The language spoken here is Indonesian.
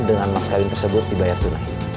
dengan mas kawin tersebut di bayar tunai